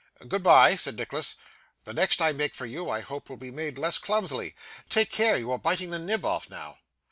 'Goodbye,' said Nicholas. 'The next I make for you, I hope will be made less clumsily. Take care! You are biting the nib off now.